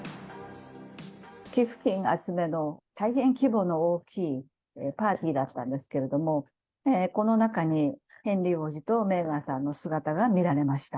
寄付金集めの大変規模の大きいパーティーだったんですけれども、この中にヘンリー王子とメーガンさんの姿が見られました。